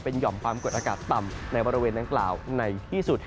หย่อมความกดอากาศต่ำในบริเวณดังกล่าวในที่สุด